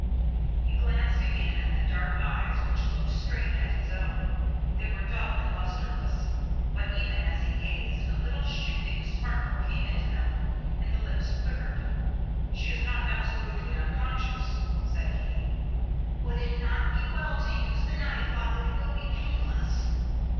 He glanced again at the dark eyes which looked straight at his own. They were dull and lustreless, but, even as he gazed, a little shifting sparkle came into them, and the lips quivered. "She is not absolutely unconscious," said he. "Would it not be well to use the knife while it will be painless?"